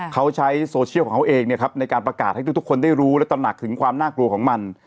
เขาใช้โซเชียลของเขาเองในการประกาศให้ทุกคนได้รู้และตำหนักถึงความน่ากลัวของมัน